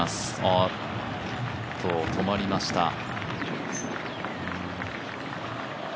止まりました。